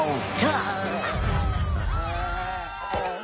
あ！